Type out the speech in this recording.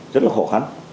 rất là khó khăn